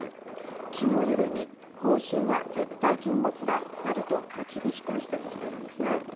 気の緩み、放心は絶対禁物だなどと、厳しく指摘しているんですね。